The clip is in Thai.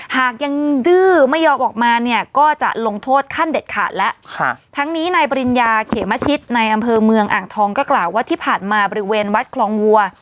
หากยังดื้อไม่ยอมออกมาเนี่ยก็จะลงโทษขั้นเด็ดขาดแล้วทั้งนี้นายปริญญาเขมชิตในอำเภอเมืองอ่างทองก็กล่าวว่าที่ผ่านมาบริเวณวัดคลองวัว